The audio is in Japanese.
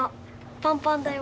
パンパンだよ